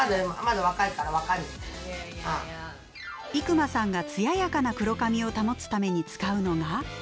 伊熊さんが艶やかな黒髪を保つために使うのが。